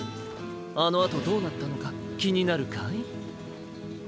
あのあとどうなったのかきになるかい？